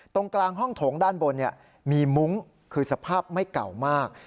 ตรงกลางห้องโถงด้านบนมีมุ้งคือสภาพไม่เก่ามาก